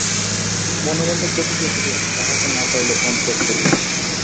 কিন্তু মনে মনে প্রতিজ্ঞা করিয়াছি তাহাকে না পাইলে প্রাণত্যাগ করিব।